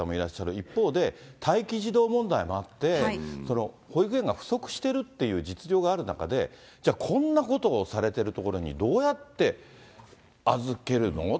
一方で、待機児童問題もあって、保育園が不足しているっていう実情がある中で、じゃあ、こんなことをされてる所に、どうやって預けるの？